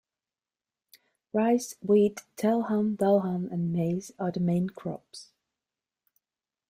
Rice, wheat, telhan, dalhan and maize are the main crops.